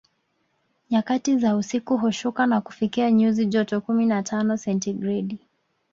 Nyakati za usiku hushuka na kufikia nyuzi joto kumi na tano sentigredi